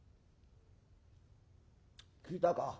「聞いたか？